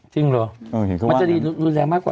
จริงเหรอมันจะดีรุนแรงมากกว่า